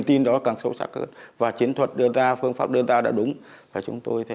tin đó càng sâu sắc hơn và chiến thuật đưa ra phương pháp đơn ta đã đúng và chúng tôi thấy